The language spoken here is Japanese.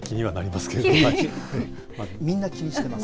みんな気にしてます。